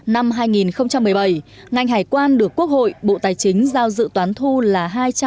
năm hai nghìn một mươi bảy ngành hải quan được quốc hội bộ tài chính giao dự toán thu là hai trăm linh